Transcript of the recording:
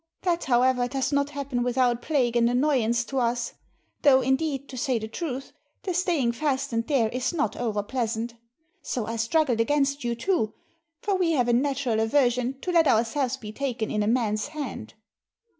That, however, does not happen without plague and annoyance to us; though, indeed, to say the truth, the staying fastened there is not over pleasant. So I struggled against you too, for we have a natural aversion to let ourselves be taken in a man's hand."